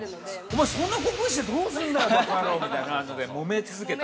◆おまえ、そんな濃くしてどうすんだよ、バカヤローみたいなので、もめ続けた。